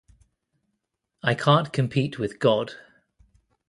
I can't compete with God.